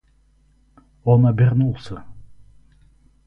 Он обернулся.